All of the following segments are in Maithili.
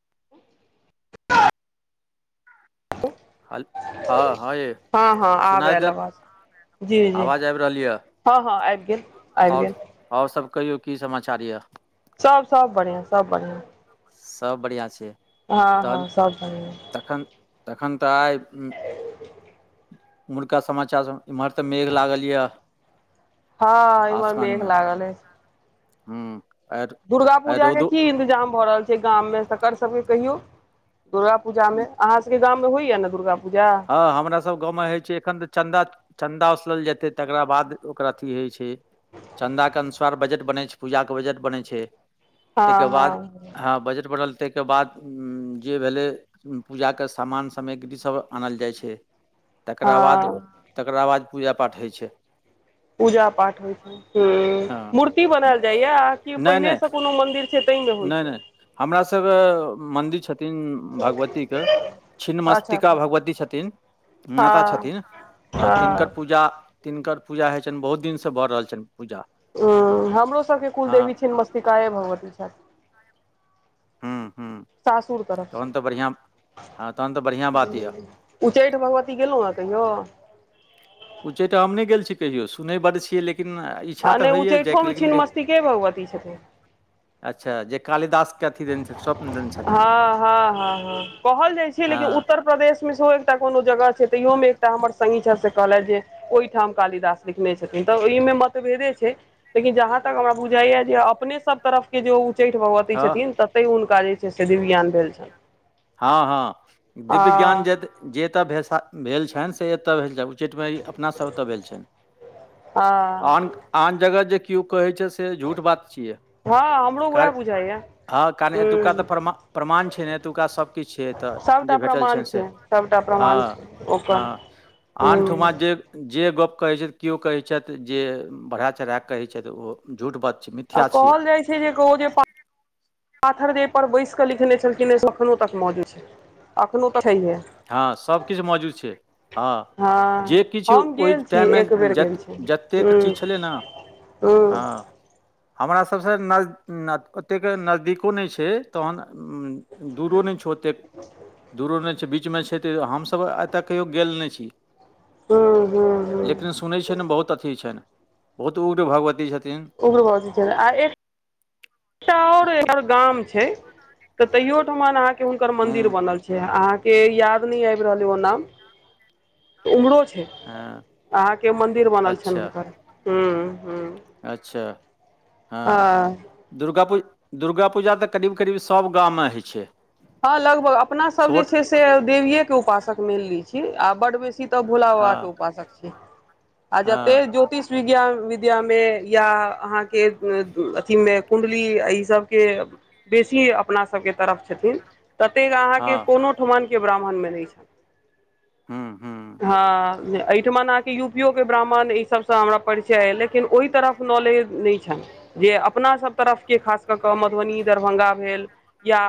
[unintelligible] हं-हं यै हँ हँ आब सुनाइ आयल देत? आवाज [inaudible] आवाज आबि रहल य? हं-हं आबि गेल। आबि आओर, गेल आओर सब कहियौ की समाचार या? सब, सब बढ़ियां, सब बढ़ियां। सब बढ़ियां छी। हं-हं सब भ गेलै। तखन [inaudible] तखन त आइ ह। उमुहुरका समाचार, एम्हर त मेघ लागल य। हँ, इम्हर मेघ लागल अछि। हूं। दुर्गा पूजाके की इन्तजाम भ रहल छै गाममे, तकर सबके कहियौ। दुर्गा पूजामे, अहाँ सबके गाममे होइया ने दुर्गा पूजा। हँ हमरा सब गाँवमे हइ छै एखन त चन्दा। चन्दा उसलल जेतै तकरा बाद ओकरा अथी होइ छै। चन्दाके अनुस्वार बजट बनै छै, पूजाके बजट बनै छै। हँ तेकर हँ बाद हं बजट बढ़ल। तेकरा बाद जे भेलै पूजाके समान सेमग्री सब आनल जाइ छै। तेकरा बाद, हँ तेकरा बाद पूजा पाठ होइ छै। पूजा पाठ [unintelligible] हुं, हँ मूर्ति बनाएल जाइया आकि नहि नहि पहिनेसं कोनो मन्दिर छै तै मे होइ नहि छै? नहि हमरा सब मन्दिर छथिन भगवतीकेन अच्छा छिन्नमस्तिका अच्छा भगवत। ई छथिन, माता हँ छथिन हं तिनकर हँ पुत पूजा, तिनकर पूजा हइ छनि बहुत दिनसं भ रहल छनि पूजा। हं, हमरो सबके हँ कुलदेवी छिन्नमस्तिकाए भगवती छथि। हूँ हूँ [inaudible] सासूर तरफ तहन सं। तऽ बढ़िआँ हँ तहन तऽ बढ़िआँ बात यए [inaudible] उच्चैठ भगवती गेलौहें कहियो? उच्चैठ हम नै गेल छी कहियो, सुनै बड्ड छियै लेकिन ई आ नै उच्चैठोमे छिन्नमस्तिके भगवती छथिन। अच [inaudible] देने छथिन हं-हं-हं-हं कहल जाइ छै हँ लेकिन उत्तर प्रदेश मे सेहो एकटा कोनो जगह छै तहिओ मे एकटा हमर संगी छथि से कहलैथ जे ओइठाम कालिदास लिखने छथिन त ओहिमे मतभेदे छै। लेकिन जहाँ तक हमरा बुझाइया जे अपने सब तरफ के जे उ च्चैठ भगवती हँ छथिन ततहि हुनका जे छै से दिव्यज्ञान भेल छनि‌। हं-हं दिव्यज्ञान हँ जे त जे एत भेसा भेल छनि से एत भेल छनि। उच्चैठमे ई अपना सब ओत भेल छनि। [inaudible] हँ आन आन जगह जे किओ कहै छै स- से झूठ बात छियै। हँ हमरो कार उएह बुझाइया हं कारण एतुका हूँ त परमा प्रमाण छै ने एतुका सब से त सभटा जे भेटल प्रमाण छनि से, छै सभटा प्रमाण छै ओकर हं-हं। आन ठमा हूँ जे जे गप कहै छथि किओ कहै छथि जे बढ़ा चढ़ाक कहै छथि ओ। झूठ बात छैक मीत। आ कहल जाइ छै जे कहु जे ओ पा पाथर जेहिपर बैसिकऽ लिखने छलखिन हैं से अखनो तक मौजूद छय अखनो तक हैहे। हँ सभकिछ मौजूद छैय। हँ हँ जे किछु हम ओय गेल छी टाइम मे एक बेर जत गेल छी जतेक हूँ चीज छलै न हूँ हांँ। हमरा सबसँ नज ओतेक नजदीको नय छै तखन हम दूरो नै छै ओत्तेक, दूरो नय बीचमे छै तऽ हमसभ ओतय कहियो गेल नय छी हूँ हूँ हूँ लेकिन सु सुनै छियनि बहुत अथि छनि बहुत उग्र भगवती छथिन। उग्र भगवती छथिन आ एक चाउर एकर गाम छै तऽ तैयो ठमन अहाँके हुनकर हूँ मंदिर बनल छै आ- के याद नहि आबि रहल अय ओ नाम उमहरो छै। हँ अहाँके मन्दिर बनल छैन अच्छा हुनकर हुं हुं। अच्छा, हां। दुर्गा पूज, दुर्गा पूजा तऽ करीब करीब सब गाममे होइ छैय। हँ लगभग, अपना सब जे छै से देवीएके उपासक मैनली छी आ बड बेसी त भोला बाबा के हँ उपासक छी आ जते हँ जोतिष विज्ञान विद्यामे या अहाँके अथिमे कुण्डली एहि सबके। बेसी अपनासब के तरफ छथिन। ततेक अहाँके हँ कोनो ठामनके ब्राह्मणमे नय छन्हि। हुँ हुँ हांँ जे। एहिठाम अहाँके यूपीओ के ब्राह्मण ई सभसँ हमरा परिचय अइ लेकिन ओहि तरहक नॉलेज नैय छैन। जे अपना सभ तरफके खास कऽ के मधुबनी दरभंगा भेल या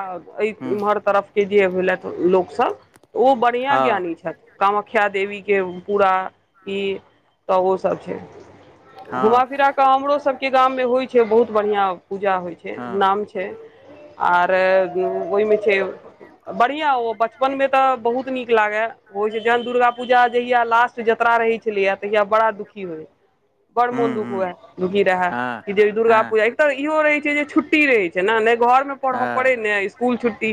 अइ हुँ इमहर तरफके जे भेलथि लोक सब ओ बढ़िआँ हँ ज्ञानी छैथ। कामाख्या देवीके पूरा ई त ओ सब छै। घुमा हँ फिरा कऽ हमरो सबके गाम मे होइ छै बहुत बढ़िया पूजा होइ छै हँ नाम छै छै आर ओहिमे छै बढ़िआँ ओ, बचपनमे तऽ बहुत नीक लागय। होइ छै जखन दुर्गा पूजा जहिया लास्ट जत्रा रहैय छलैए तहिया बड़ा दुखी होइ। बड़ मोन हुँ दुःख हुए हुँ दुखी रहै हँ कि जे दुर्गा हँ पूजा तऽ इहो रहै छै जे छुट्टी रहै छै न नहि घरमे पढ़अ पड़ै हँ ने स्कुल छुट्टी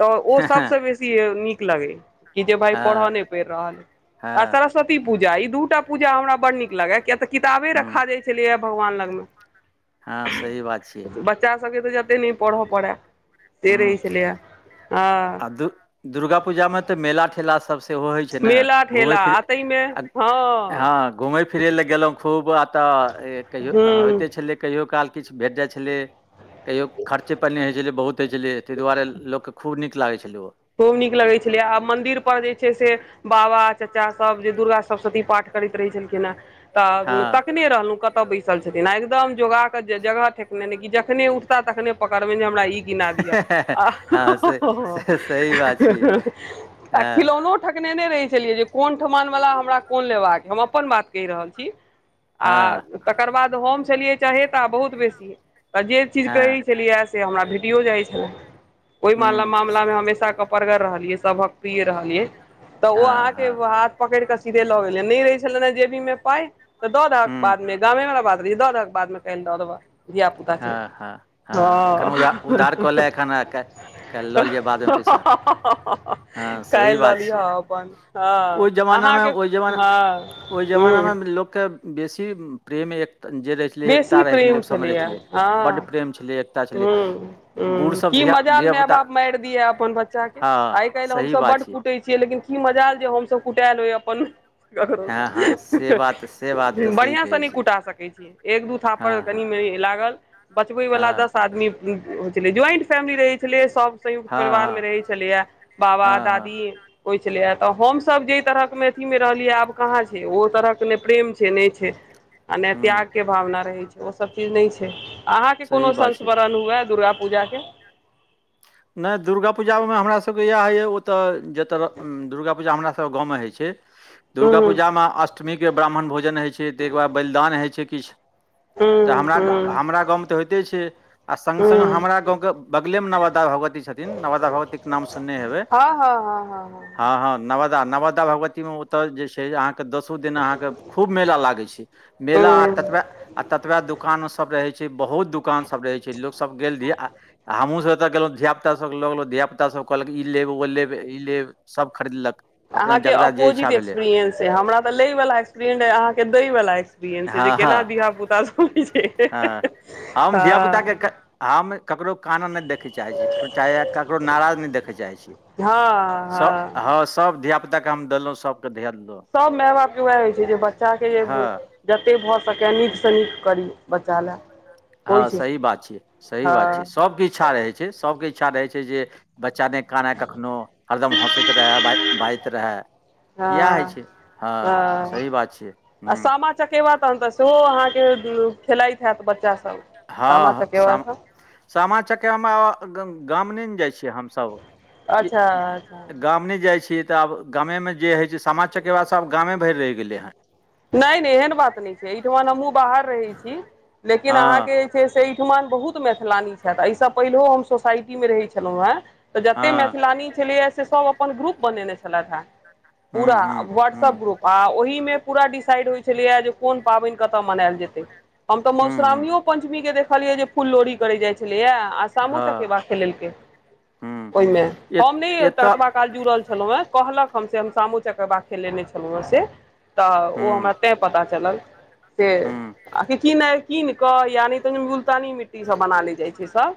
तऽ ओ सब हँ सँ बेसी नीक लगै कि जे भाय हँ पढ़य नहि पैर रहल अए, हर हँ तरह से। सरस्वती पूजा ई दूटा पूजा हमरा बड नीक लागै। किया तऽ किताबे हुँ रखा जाइ छलैए भगवान लगमें। हँ सही बात छै। बच्चा सब के तऽ जते नहि पढ़ऽ पड़ै से रहै हुँ छलैए हंँ। आ दु दुर्गा पूजा मे तऽ मेला ठेला सब से सेहो होइ छै ने मेला घुमै ठेला फिर आ ताहिमे हँ हँ घूमै फिरै फिरै लए गेलहुँ खूब आ तऽ हे कहियो हंँ हूँ होइते छलै। कहियो काल किछ भेट जाइ छलै कहियो खर्चे पानी होइ छलै बहुत। होइ छलै ताहि दुआरे लोकके खूब नीक लागै छलै ओ खूब नीक लगै छलै आ मन्दिर पर जे छै से बाबा चचा सब जे दुर्गा सप्तश्वती पाठ करैत रहै छलखिन हेँ! तऽ हँ तखने रहलहुँ कतऽ बैसल छथिन आ एकदम योगाके जगह ठेकने ने जखने, तखने पकड़बे ने जे हमरा ई किना दिअ हं हँ से हं हं, से सही बात छियै हँ खिलौनो ठेकनेने रहै छलियै जे कोन ठमान वाला, हमरा कोन लेबाक अछि णं हम अपन बात कहि रहल छी आ हँ तकर बाद हम छलियै चहेता बहुत बेसी तऽ जे चीज कहै हँ छलियै से लियैत से हमरा भेटिय जाइ छलै। ओहि मामला हूँ मे हमेशा क परगर रहलियै सभक प्रिक्ष रहलियै तऽ ओ हँ अहाँके हँ बात पकड़ि कऽ सीधे लऽ गेलिये नहि रहे छले ह जेबी मे पाइ तऽ दऽ दहके हूँ बादमे गामे वला बात रहै दऽ दहक बादमे कह दऽ देबह धिया पुता हँ छै। हँ [inaudible] हँ एखन उधार उधार कऽ ले एखन आ, क- लऽ लिअ बादमे पैसा हँ सही काल्हि लऽ बात लिह छै अपन हँ ओहि जमानामे अहाँके हँ? ओहि ह जमाना में लोक के बेसी प्रेम एक जे रहे छै बेसी प्रेम छलैए। हँ बड्ड प्रेम छलै एकता ह छलै ह बूढ़ सब की धिया मजाल माय धियापुता बाप मारि दिए अपन बच्चा के? हँ आइ काल्हि सही हमसभ बड बात छै कूटै छियै लेकिन की मजाल जे हमसभ कुटाल हो अपन हँ हँ से बात से बात [unintelligible] तऽ सही बढ़िआंसँ कहै नै छै कुटा सकै छी। दु हँ थापड़ हँ कनि मनि लागल, बचबै वला दस हँ आदमी आदमी होइ छलै ज्वाइंट फैमिली रहै छलै सभ। संयुक्त हँ परिवार मे हँ रहै छलैये, बाबा हँ हँ दादी होइ छलैये तऽ हमसभ जाहि तरहक मे अथि मे रहलियै आब कहाँ छै ओ तरहक नहि प्रेम छै नहि छै आ ने हूँ त्याग रह छै ओ सब चीज नहि छै। अहाँके कोनो सही बात छै संस्मरण हुए दुर्गा पूजा के? नहि दुर्गा पूजामे हमरा सबके इएह होइए ओतऽ जतय दुर्गा पूजा हमर सभ गाँवमे होइ छै, दुर्गा हँ पूजा मे अष्ट अष्टमीके ब्राह्मण भोजन होइ छै ताहिके बाद बलिदान होइ छै किछु। तऽ हँ हँ हमरा हँ हमरा गाँवमे तऽ होइते छै आ सङ्ग सङ्ग हमरा गाँवके बगलेमे नवादा नवादा भगवती छथिन, नवादा भगवती के नाम सुनने हेबै हँ हँ हँ हँ नवादा नवादा भगवती मे ओतऽ जे छै अहाँ दसो दिन अहाँके खूब मेला लागै छै, मेला आ हँ ततबे आ ततबा दुकानो सब रहे छै बहुत दुकान सब रहे छै लोको सब गेल रहि हमहुँ सब ओतऽ गेलहुँ, धियाापुता सभ लऽ गेल धियापुता सभ कहलक ई लेब ओ लेब ई लेब सभ खरीदलक अपना अहाँ के जकरा जे अपोजिट इच्छा भेलै एक्सपीरियंस अछि, हमरा तऽ लै वला एक्सपीरियंस अछि अहाँ के दै वला एक्सपीरियंस हन से जे हँ हँ केना धियापुता सब छै। हँ हम धिया पुता के, हँ हम केकरो कानऽ नै देखऽ चाहै छी केकरो चाहे ककरो नाराज नै देखऽ चाहै छी, हँ हँ सब धिया पुता के हम देलहु सबके धिया ध्यान द सभ माय बापके वैह होइ छै जे बच्चाके जे हँ जते भऽ सकै नीकसँ नीक करी। बच्चा ले। हँ सही बात छै, सही बात छै, सभके इच्छा रहै छै सभके इच्छा रहै छै जे बच्चा ने काने कखनो हरदम हँसैत रहै बाजैत रहै इएह होइ हँ छै, हँ सही बात छै। आ सामा चकेबा तखन तऽ सेहो अहाँके खेलाइत हैत बच्चाभ सामा हँ चकेबा सब सामा चकेवा मे गाम नहि ने जाइ छियै हमसब। अच्छा अच्छा गाम नै जाइ छियै तऽ आब गामे जे होइ छै, सामा चकेवा सब आब गामे भरि रहि गेलै हँ। नहि नहि एहन बात नहि छै एहिठाम हमहुँ बाहर रहै छी लेकिन हँ अहाँके से एहिठम बहुत मैथिलानी छथि एहिसँ पहिलहो हम सोसाइटीमे रहैत छलहुँ हेँ तऽ जतेक हँ मैथिलानी छलैए से सभ अपन ग्रुप बनेने छलथि हेँ हँ पूरा हूँ हूँ हूँ व्हाट्सअप ग्रुप आ ओहिमे पूरा डिसाइड होइत छलैए, जे कोन पाबनि कतय मनायल जेतै। हम तऽ हूँ हूँ मधुश्रावणीयो पंचमी के देखलिये जे फूल लोड़ी करे जाय छलेया आ। सामा चकेबा हँ खेलेलकै हूँ ओईमे ए हम नै। एतऽ काल जुड़ल छलहुँ है, कहलक हम से हम सामो चकेबा खेलेने छलहुँ है से। तऽ ओ हूँ हमरा तें पता चलल से हूँ आखि। कीनय कीन कऽ या नै तऽ मुल्तानी मिट्टी सऽ बना ले जाइ छै सब।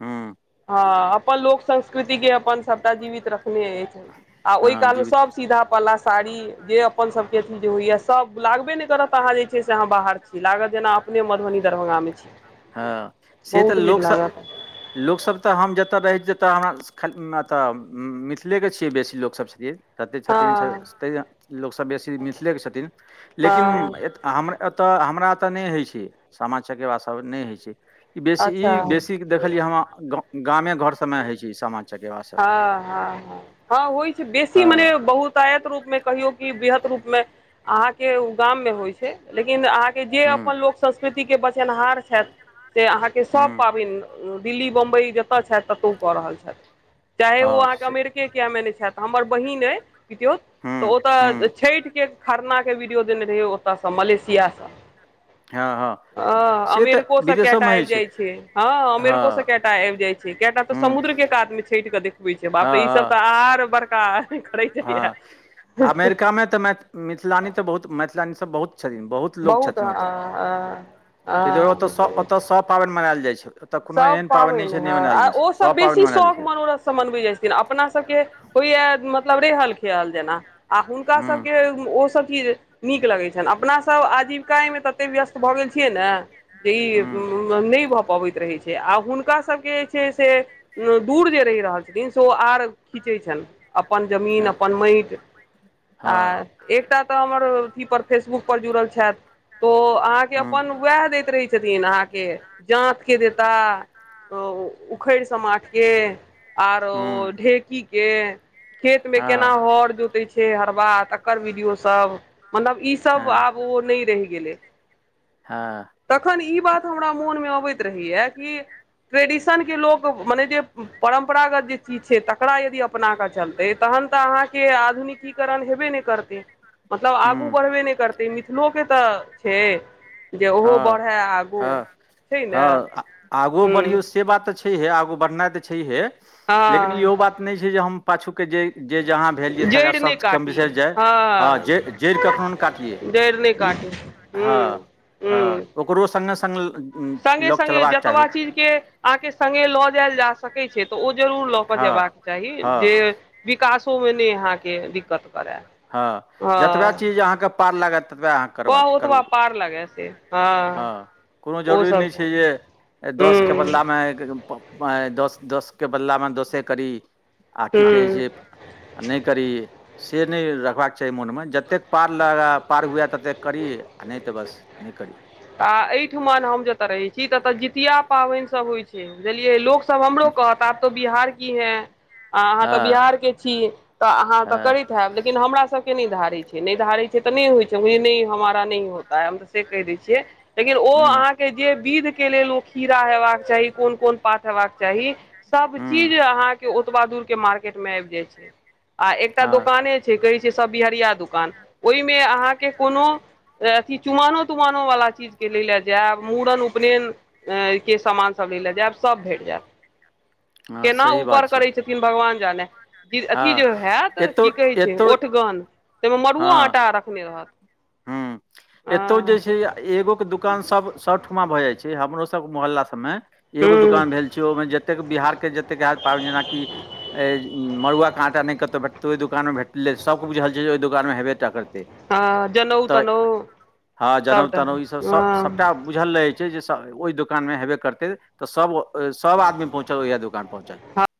हुॅं। हँ अपन लोक संस्कृति के अपन सभटा जीवित रखने अछि। आ ओइ हँ काल मे जीवित सब सीधा पला साड़ी जे अ। अपन सबके अथी जे होइए सब लागबे नहि करत अहाँ जे छै, से अहाँ बाहर छी लागत जेना। अपने मधुबनी दरभंगामे छी। हँ से तऽ बहुत नीक लोकसब लागत लोकसब तऽ हम जतऽ रहै छी तेतऽ आहाँ। खाली एतऽ मिथिलेके छियै बेसी लोकसब छथिन। कतेक छथिन हँ तहि लोकसब बेसी मिथिलेके छथिन लेकिन हँ एत। आ हम एतऽ हमरा एतऽ नै होइ छै, सामा चकेवा सब नै होइ छै। ई बेसी ई अच्छा बेसी देखलियै, हम गामे घर सब में होय छै ई सामा। चकेबा सभ हँ-हँ-हॅं-हँ होइ छै, बेसी मने हँ बहुत। आयत रूप में कहियो की वृहद रूप में अहाँ के गाम में होइ छै। लेकिन अहाँके जे हूँ अपन लोक संस्कृतिके बचेनहार छथि। से अहाँके सब हूँ पाबनि दिल्ली बम्बई जतय छथि, ततहु कऽ रहल छथि। चाहे ओ हँ अहाँके से अमेरिके किया मे नै छथि, हमर बहिन अइ। पितियौत हूँ तऽ हूँ ओतऽ छैठ के खरना। वीडियो देने रहै, ओत सँ मलेशिया स हँ हँ आ से अमेरिको तऽ स के। क विदेशोमे आबि होइ जाय छै, हँ अमेरिको स के टा आबि जाय छै, के टा तऽ हूँ समुद्र के कात में छठि कऽ देख। हँ बापरे ई सब हँ तऽ आर बड़का। करैत जाइया हँ अमेरिकामे तऽ मै मिथिलानी तऽ बहुत मैथिलानी सब बहुत छथिन बहुत। लोक छथिन ओतऽ हँ तइ दुआरे ओतऽ हँ ओतऽ सब पाबनि मनाल जाइ छै। ओतऽ कोनो सब एहन पाबनि नहि छै जे नहि हैत, मनायल आ जाइ छै ओ सब पाबनि बेसी मनायल शौख जाइ छै मनोरथ स। मोन सऽ मनवै जाइ छथिन, अपना सबके होइया मतलब रेहल खियाल जेना। आ हुनका हूँ सबके ओ सब चीज। नीक लगै छनि, अपना सब आजीविकाये मे तते व्यस्त भऽ गेल छियै ने जे हूँ ई। नै भऽ पबै रहै छै, आ हुनका सबके जे छै से। दूर जे रहि रहल छथिन से ओ आर खीचै छनि। अपन जमीन हँ अपन मैट आ। हँ एकटा तऽ हमर अथी पर फेसबुक पर जुड़ल छथि। तो अहाँके हूँ अपन वैह दैत रहै, छथिन अहाँके जात। देता उखड़-समाठ के आर ओ हूँ ढेकी। के खेत मे केना हँ हर जोतै छै। हरबा तकर वीडियो सब मतलब ई सब हँ आब ओ नै रहि गेलै। हँ तखन ई बात हमरा मोनमे अबैत रहैय कि। ट्रेडिशनके लोक मने जे परम्परागत जे चीज छै, तकरा यदि अपनाकऽ चलतै। तहन तऽ अहाँके आधुनिकीकरण हेबे नै करते, मतलब आगू हूँ बढ़बे ने करतै मि। थलो के तऽ छै, जे ओहो हँ बढ़ै आगू हँ छै ने। हँ आगू बढ़ियौ हूँ से बात तऽ छैहे, आगू बढ़नाइ तऽ छैहे, लेकिन इहो हँ बात। नै छै जे हम पाछू के जे जे जहाँ। छै तेकरा जड़ि नहि शब्द के काटी बिसैर जाइ। हाँ हँ जै जैड़ कखनो नै जड़ि नहि काटयैइ। काटी हूँ हँ -हँ ओकरो संगे-संग ल संगे-संगे जतबा चीज के अहाँके संगे लऽ जायल जा सकै छै तऽ ओ जरूर लऽ कऽ हँ जयबाक चाही। हँ जे विकासो [unintelligible] मे नै अहाँके दिक्कत करए। हँ, जतबा चीज अहाँके पार लागत ततबे अहाँ प करबाक करू ओतबा पार लागे से हँ कोनो ओ जरूरी सब नहि छै जे हूँ दसके बदलामे आइ [unintelligible] पाई दस दसके बदलामे दसे करी आ की कहै छै हूँ आ नहि करी से नहि रखबाक चाही मोनमे। जतेक पार लगे, पार हुए ततेक करी आ नहि तऽ बस नहि करी। आ एहिठमअ हम जतय रहै छी ततअ जितिया पाबनिसभ होइत छै। बुझलियै लोक सब हमरो कहत आप तो बिहार की हैं आ अहाँ तऽ हँ बिहार के छी तऽ अहाँ तऽ हँ करैत हैब लेकिन हमरा सबके नहि धारै छै, नहि धारे छै तऽ नहि होइ छै। [unintelligible] नहि हमरा नहि होता है। हम तऽ से कहि दै छी। जे लेकिन ओ हुँ अहाँके जे विध के लेल ओ खीरा हेबाक चाही, कोन कोन पात हेबाक चाही चाही सभ हुँ चीज अहाँके ओतबा दूरके मार्केटमे आबि जाइ छै। आ एकटा हँ दोकाने से कहे छै सब बिहरिया दुकान। ओहिमे अहाँके कोनो अ-अथी चुमानो तुमानो नो वला चीज के लै लऽ जायब। मूड़न, उपनयन अए- के सामान सब लै लऽ जायब सभ भेट जायत। हँ केना सही ऊपर बात करै छै भगवान जाने। इ अथी हँ जे हैत एतौ कि कहै छै एतौ ओठगन ताहिमे मड़ुओ आँटा रखने रहत। हुम्म, एतौ जे छै हँ एगो के दुकान सब सबठमा भऽ जाइ छै। हमरो सब मोहल्ला सबमे ह एगो दुकान भेल छै, ओहिमे जतेक बिहार के जतेक आयल पाबनि जेनाकि ए मड़ुआके आटा नहि कतहु भेटतै ओहि दोकानमे भेटलै। सभके बुझल छै जे ओहि दोकानमे हेबेटा करतै। हँ जनउ तहि तनउ हँ, जनउ सबटा तनउ ईसब सभ सभटा हँ बुझल रहै छै जे ओहि दोकानमे हेबे करतै। तऽ सब सभ आदमी पहुँचल इएह दुकान पहुँचल।